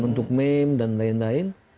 untuk meme dan lain lain